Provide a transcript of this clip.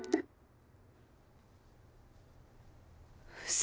嘘。